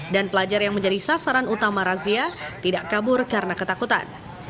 dan pelajar yang menjadi sasaran utama razia tidak kabur karena ketakutan